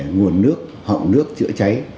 nguồn nước họng nước chữa cháy